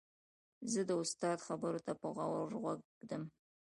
زه د استاد خبرو ته په غور غوږ ږدم.